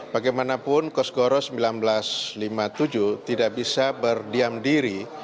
bagaimanapun kosgoro seribu sembilan ratus lima puluh tujuh tidak bisa berdiam diri